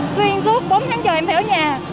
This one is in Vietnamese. xuyên suốt bốn tháng trời em phải ở nhà